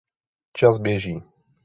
Čas běží.